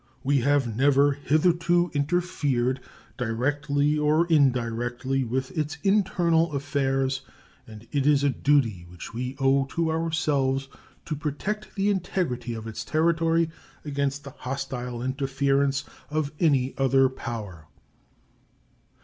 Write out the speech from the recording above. We have never hitherto interfered, directly or indirectly, with its internal affairs, and it is a duty which we owe to ourselves to protect the integrity of its territory against the hostile interference of any other power.